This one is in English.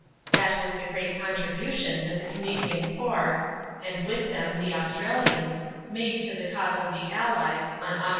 That was the great contribution that the Canadian Corps and with them the Australians made to the cause of the Allies on Aug.